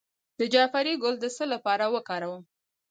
د جعفری ګل د څه لپاره وکاروم؟